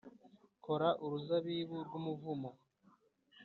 kora uruzabibu rw'umuvumo,